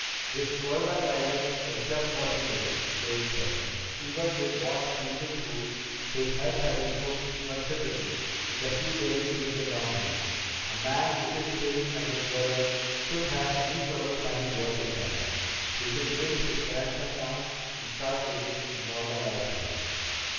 "This Florida climate was just what he needed," Quayle said. "Even with what he's been through, his health has improved considerably in the few days he's been down here. A man with his skill as a jeweler shouldn't have any trouble finding work in Tampa. He can bring his grandson down, and start living a normal life again."